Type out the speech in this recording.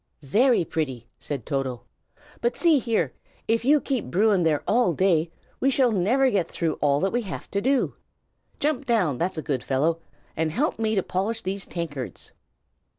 "Very pretty!" said Toto. "But, see here, if you keep Bruin there all day, we shall never get through all we have to do. Jump down, that's a good fellow, and help me to polish these tankards."